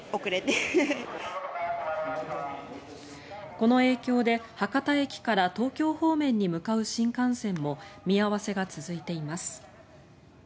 この影響で博多駅から東京方面に向かう新幹線も見合わせが続いています。